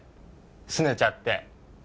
拗ねちゃって。